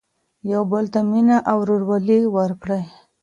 يو بل ته مينه او ورورولي ورکړئ.